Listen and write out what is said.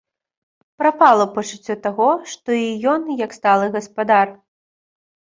Прапала пачуццё таго, што і ён як сталы гаспадар.